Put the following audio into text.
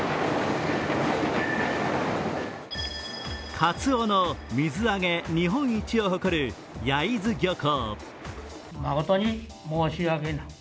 かつおの水揚げ日本一を誇る焼津漁港。